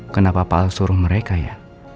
kenapa pak al suruh mereka ya